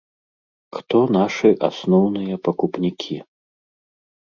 Хто нашы асноўныя пакупнікі?